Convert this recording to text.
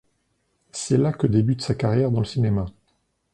C’est là que débute sa carrière dans le cinéma.